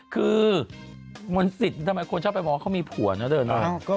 คือมนต์สิทธิ์ทำไมคนชอบไปบอกว่าเขามีผัวนะเดินมา